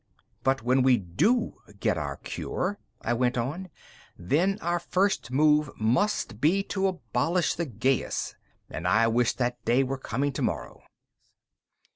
"But when we do get our cure," I went on, "then our first move must be to abolish the geas. And I wish that day were coming tomorrow."